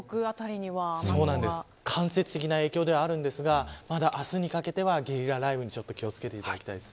間接的な影響ではありますが明日にかけてはゲリラ雷雨に注意していただきたいです。